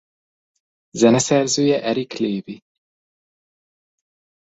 Zeneszerzője Eric Lévi.